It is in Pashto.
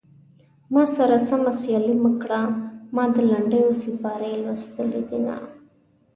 ما سره سمه سيالي مه کړه ما د لنډيو سيپارې ويلي دينه